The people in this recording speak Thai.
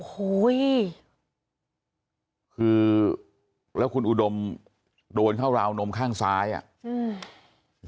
โอ้โหคือแล้วคุณอุดมโดนเข้าราวนมข้างซ้ายอ่ะอืม